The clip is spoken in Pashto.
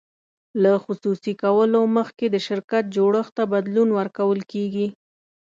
له خصوصي کولو مخکې د شرکت جوړښت ته بدلون ورکول کیږي.